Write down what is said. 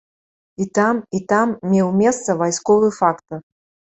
І там, і там меў месца вайсковы фактар.